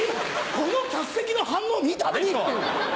この客席の反応見たでしょ？